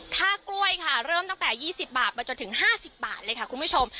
ค่ากล้วยค่ะเริ่มตั้งแต่๒๐บาทมาจนถึง๕๐บาทเลยค่ะคุณผู้ชม